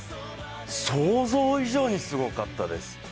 想像以上にすごかったです。